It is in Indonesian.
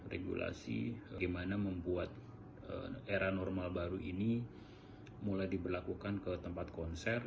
regulasi bagaimana membuat era normal baru ini mulai diberlakukan ke tempat konser